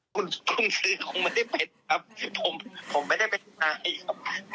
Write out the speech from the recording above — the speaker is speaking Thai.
คุณซื้อคงไม่ได้เป็นครับผมไม่ได้เป็นใครครับ